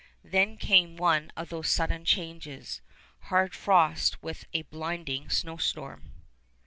Then came one of those sudden changes, hard frost with a blinding snowstorm.